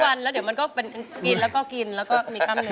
สวัสดีครับ